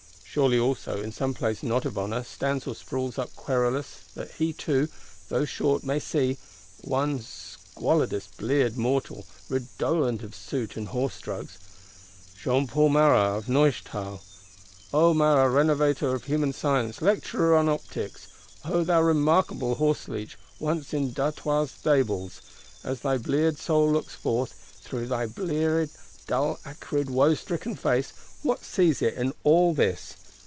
Surely also, in some place not of honour, stands or sprawls up querulous, that he too, though short, may see,—one squalidest bleared mortal, redolent of soot and horse drugs: Jean Paul Marat of Neuchâtel! O Marat, Renovator of Human Science, Lecturer on Optics; O thou remarkablest Horseleech, once in D'Artois' Stables,—as thy bleared soul looks forth, through thy bleared, dull acrid, wo stricken face, what sees it in all this?